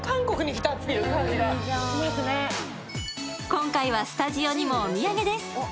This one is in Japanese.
今回はスタジオにもお土産です。